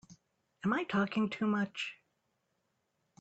Am I talking too much?